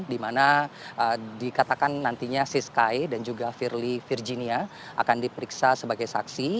di mana dikatakan nantinya siskae dan juga firly virginia akan diperiksa sebagai saksi